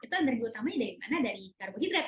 itu energi utamanya dari mana dari karbohidrat